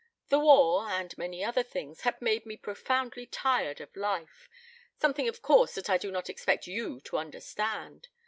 The war and many other things had made me profoundly tired of life something of course that I do not expect you to understand.